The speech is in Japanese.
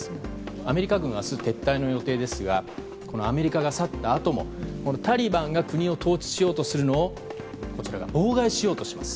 アメリカ軍は明日撤退の予定ですがアメリカが去ったあともタリバンが国を統治しようとするのを妨害しようとします。